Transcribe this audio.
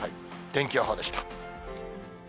天気予報でした。